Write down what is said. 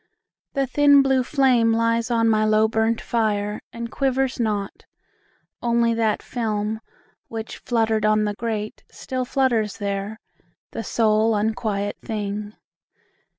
the thin blue flame Lies on my low burnt fire, and quivers not; Only that film, which fluttered on the grate, Still flutters there, the sole unquiet thing.